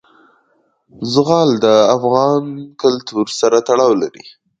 زغال د افغان کلتور سره تړاو لري.